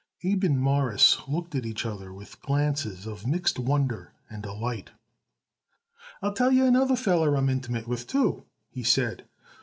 Abe and Morris looked at each other with glances of mixed wonder and delight. "I'll tell you another feller I'm intimate with, too," he said.